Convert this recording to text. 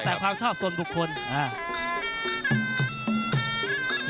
นักมวยจอมคำหวังเว่เลยนะครับ